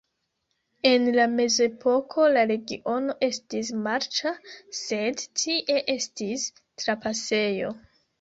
En la mezepoko la regiono estis marĉa, sed tie estis trapasejo.